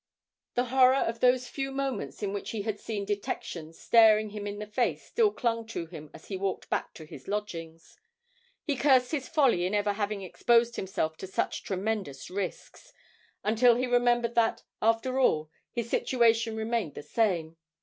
The horror of those few moments in which he had seen detection staring him in the face still clung to him as he walked back to his lodgings. He cursed his folly in ever having exposed himself to such tremendous risks, until he remembered that, after all, his situation remained the same.